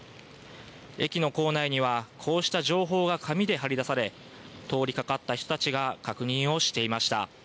駅の構内にはこうした情報が紙で貼り出され、通りかかった人たちが確認をしていました。